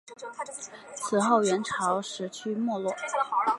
此后元朝时趋于没落。